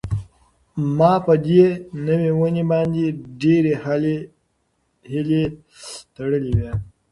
ما په دې نوې ونې باندې ډېرې هیلې تړلې وې.